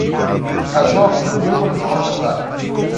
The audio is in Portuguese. A jovem não deu uma resposta clara.